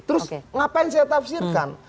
terus ngapain saya tafsirkan